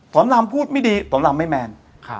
สอนรามพูดไม่ดีสอนรามไม่แมน